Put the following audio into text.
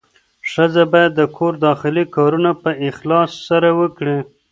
ښځه باید د کور داخلي کارونه په اخلاص سره وکړي.